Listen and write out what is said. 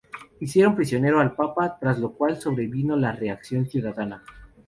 Hicieron prisionero al Papa, tras lo cual sobrevino la reacción ciudadana.